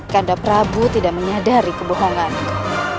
kanda prabu tidak menyadari kebohonganku